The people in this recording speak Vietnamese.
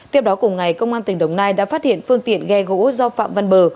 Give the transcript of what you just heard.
tiếp đó cùng ngày công an tỉnh đồng nai đã phát hiện phương tiện ghe gỗ do phạm văn bờ